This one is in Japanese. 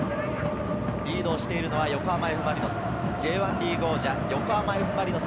リードしているのは横浜Ｆ・マリノス。